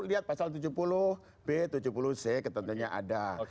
lihat pasal tujuh puluh b tujuh puluh c ketentuannya ada